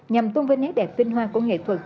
nhằm tôn vinh nét đẹp tinh hoa của nghệ thuật